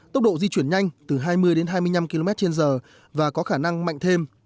tốc độ di chuyển nhanh từ hai mươi đến hai mươi năm km trên giờ và có khả năng mạnh thêm